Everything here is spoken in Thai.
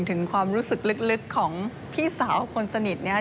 ถึงความรู้สึกลึกของพี่สาวคนสนิทเนี่ย